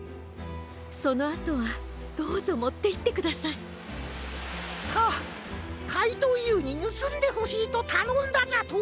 そのあとはどうぞもっていってください。かかいとうＵにぬすんでほしいとたのんだじゃと？